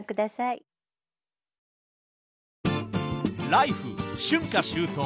「ＬＩＦＥ！春夏秋冬」